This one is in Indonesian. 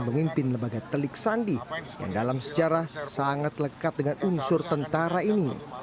memimpin lembaga telik sandi yang dalam sejarah sangat lekat dengan unsur tentara ini